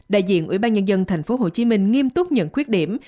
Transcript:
đại diện ủy ban nhân dân thành phố hồ chí minh nghiêm túc nhận khuyết điểm